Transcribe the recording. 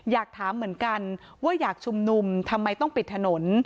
อยากถามเหมือนกันว่าอยากชุมนุมทำไมต้องปิดถนน